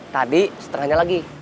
tadi setengahnya lagi